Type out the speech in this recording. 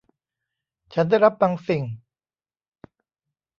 ฉันได้รับบางสิ่ง